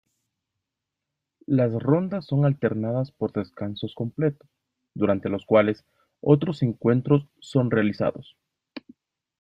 Las rondas son alternadas por descansos completos; durante los cuales, otros encuentros son realizados.